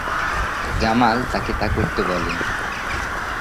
জামাল তাকে তা করতে বলে।